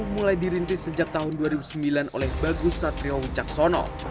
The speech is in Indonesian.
mulai dirintis sejak tahun dua ribu sembilan oleh bagus satrio wicaksono